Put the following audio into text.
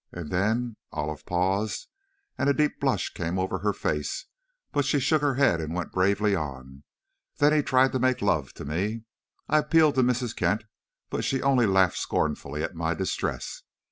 And then," Olive paused, and a deep blush came over her face, but she shook her head and went bravely on, "then he tried to make love to me. I appealed to Mrs. Kent, but she only laughed scornfully at my distress.